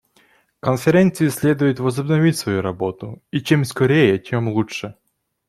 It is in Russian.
Конференции следует возобновить свою работу, и чем скорее, тем лучше.